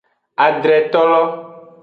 Adretolo.